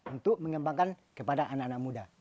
untuk mengembangkan kepada anak anak muda